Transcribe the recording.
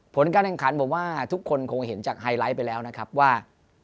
ผลการแข่งขันผมว่าทุกคนคงเห็นจากไฮไลท์ไปแล้วนะครับว่า